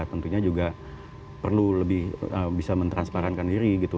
tentunya juga perlu lebih bisa mentransparankan diri gitu